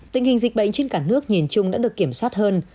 tình hình dịch bệnh trên cả nước nhìn chung đã được kiểm soát hơn